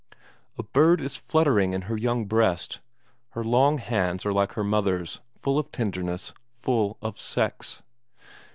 A bird is fluttering in her young breast, her long hands are like her mother's, full of tenderness, full of sex.